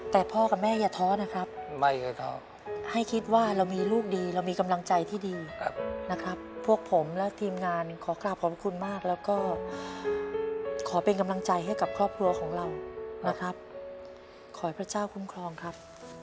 แต่พ่อกับแม่อย่าท้อนะครับไม่เคยท้อให้คิดว่าเรามีลูกดีเรามีกำลังใจที่ดีนะครับพวกผมและทีมงานขอกราบขอบคุณมากแล้วก็ขอเป็นกำลังใจให้กับครอบครัวของเรานะครับขอให้พระเจ้าคุ้มครองครับ